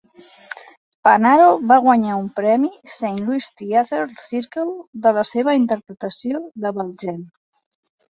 Panaro va guanyar un premi Saint Louis Theatre Circle per la seva interpretació de Valjean.